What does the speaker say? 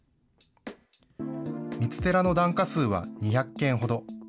三津寺の檀家数は２００軒ほど。